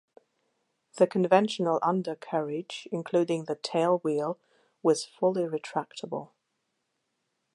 The conventional undercarriage, including the tailwheel, was fully retractable.